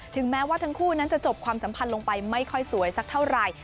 แม้ว่าทั้งคู่นั้นจะจบความสัมพันธ์ลงไปไม่ค่อยสวยสักเท่าไหร่